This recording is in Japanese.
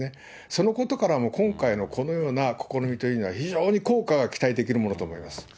そのことからも、今回のこのような試みというのは、非常に効果が期待できるものと思います。